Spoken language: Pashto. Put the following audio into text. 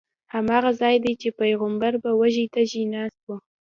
هماغه ځای دی چې پیغمبر به وږی تږی ناست و.